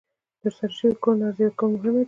د ترسره شوو کړنو ارزیابي کول مهمه ده.